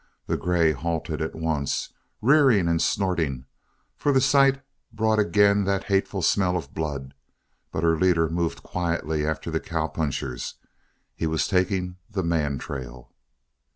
The grey halted at once, rearing and snorting, for the sight brought again that hateful smell of blood but her leader moved quietly after the cowpunchers; he was taking the man trail!